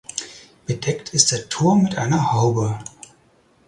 Bedeckt ist der Turm mit einer Haube.